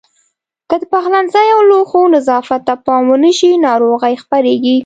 که د پخلنځي او لوښو نظافت ته پام ونه شي ناروغۍ خپرېږي.